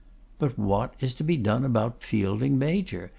'But what is to be done about Fielding major?